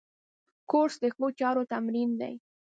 کورس د ښو چارو تمرین دی.